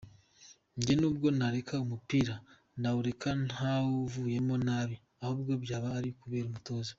Njye nubwo nareka umupira nawureka ntavuyemo nabi ahubwo byaba ari kubera umutoza.